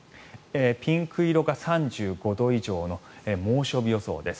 ピンク色が３５度以上の猛暑日予想です。